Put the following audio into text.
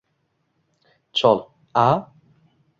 Chol: aaa